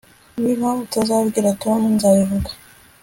Niba utazabwira Tom nzabivuga